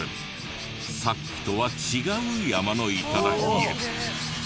さっきとは違う山の頂へ。